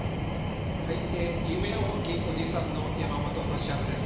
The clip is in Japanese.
はい夢多きおじさんの山本俊治です。